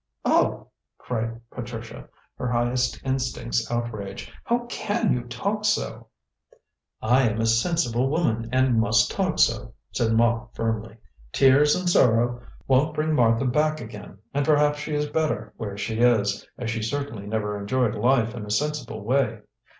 "Oh," cried Patricia, her highest instincts outraged, "how can you talk so?" "I am a sensible woman, and must talk so," said Ma firmly; "tears and sorrow won't bring Martha back again, and perhaps she is better where she is, as she certainly never enjoyed life in a sensible way.